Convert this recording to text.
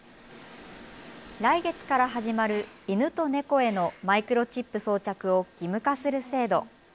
来月から始まる犬と猫へのマイクロチップ装着を義務化する制度。